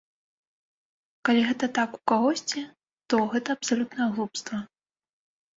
Калі гэта так у кагосьці, то гэта абсалютнае глупства.